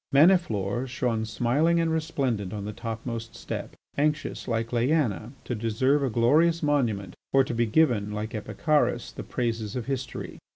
Maniflore shone smiling and resplendent on the topmost step, anxious, like Leaena, to deserve a glorious monument, or to be given, like Epicharis, the praises of history.